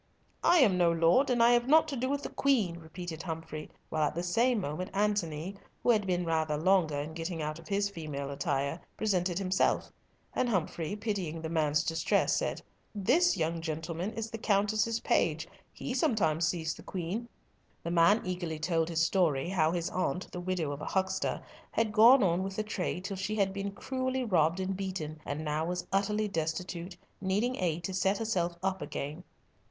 "I'm no lord, and I have naught to do with the Queen," repeated Humfrey, while at the same moment Antony, who had been rather longer in getting out of his female attire, presented himself; and Humfrey, pitying the man's distress, said, "This young gentleman is the Countess's page. He sometimes sees the Queen." The man eagerly told his story, how his aunt, the widow of a huckster, had gone on with the trade till she had been cruelly robbed and beaten, and now was utterly destitute, needing aid to set herself up again.